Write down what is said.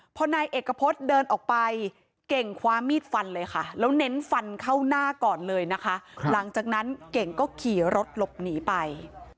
พอนายเอกพฤษเดินออกไปเก่งคว้ามีดฟันเลยค่ะแล้วเน้นฟันเข้าหน้าก่อนเลยนะคะหลังจากนั้นเก่งก็ขี่รถหลบหนีไป